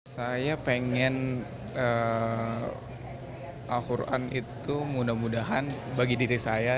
saya pengen al quran itu mudah mudahan bagi diri saya